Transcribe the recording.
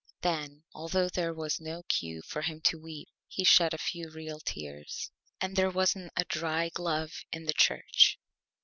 Then, although there was no Cue for him to Weep, he shed a few real Tears. And there wasn't a dry Glove in the church.